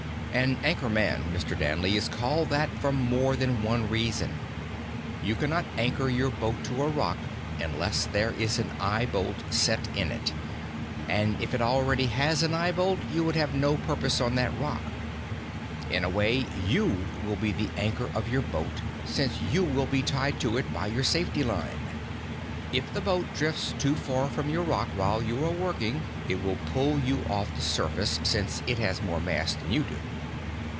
_ "An anchor man, Mr. Danley, is called that for more than one reason. You cannot anchor your boat to a rock unless there is an eye bolt set in it. And if it already has an eye bolt, you would have no purpose on that rock. In a way, you will be the anchor of your boat, since you will be tied to it by your safety line. If the boat drifts too far from your rock while you are working, it will pull you off the surface, since it has more mass than you do.